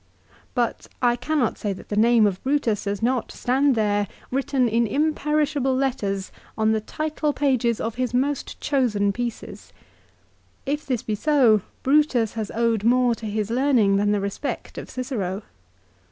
But I cannot say that the name of Brutus does not stand there, written in imperishable letters, on the title pages of his most chosen pieces. If this be so Brutus has owed more to his learning than the respect of Cicero.